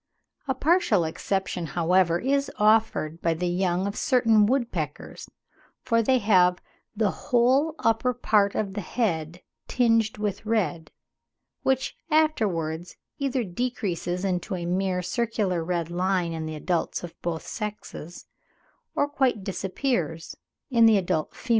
A partial exception, however, is offered by the young of certain woodpeckers, for they have "the whole upper part of the head tinged with red," which afterwards either decreases into a mere circular red line in the adults of both sexes, or quite disappears in the adult females.